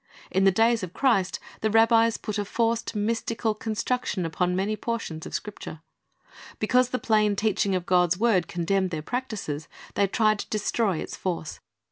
In the days of Christ the rabbis put a forced, mystical construction upon many portions of Scripture. Because the plain teaching of God's word condemned their practises, they tried to destroy its force.